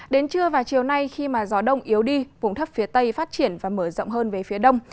đến trưa và chiều nay khi mà gió đông yếu đi vùng thấp phía tây phát triển và mở rộng hơn về phía đông